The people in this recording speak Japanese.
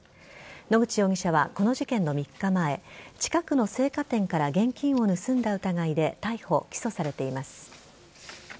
野口容疑者はこの事件の３日前近くの青果店から現金を盗んだ疑いで逮捕、起訴されています。